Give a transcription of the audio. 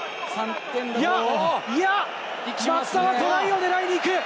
いや、松田はトライを狙いに行く！